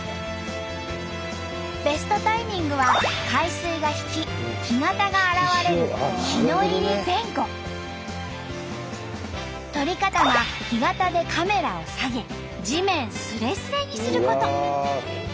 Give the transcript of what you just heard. ベストタイミングは海水が引き撮り方は干潟でカメラを下げ地面スレスレにすること。